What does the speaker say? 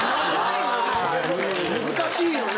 難しいよね。